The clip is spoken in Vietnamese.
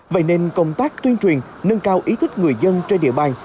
vậy nên công tác tuyên truyền nâng cao ý thức người dân trên địa bàn